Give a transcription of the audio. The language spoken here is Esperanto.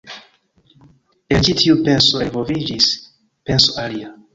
El ĉi tiu penso elvolviĝis penso alia.